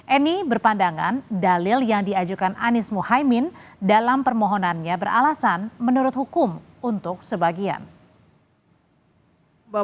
eni berpandangan dalil yang diajukan anies muhaymin dalam permohonannya beralasan menurut hukum untuk sebagian